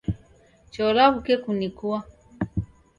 Cho law'uke kunikua